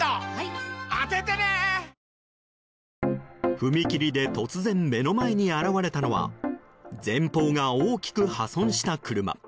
踏切で突然目の間に現れたのは前方が大きく破損した車。